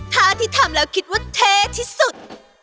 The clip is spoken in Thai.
ท่าที่ทำแล้วคิดว่าเทที่สุด